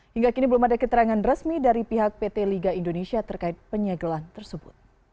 hingga kini belum ada keterangan resmi dari pihak pt liga indonesia terkait penyegelan tersebut